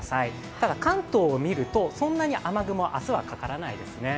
ただ、関東を見るとそんなに雨雲、明日はかからないですね。